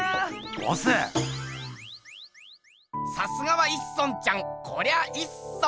さすがは一村ちゃんこりゃいっそん。